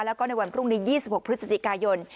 แล้วก็ในวันพรุ่งนี้๒๖พฤศจิกายน